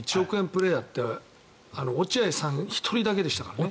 プレーヤーって落合さん１人だけでしたからね。